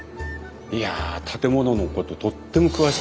いや建物のこととっても詳しくて。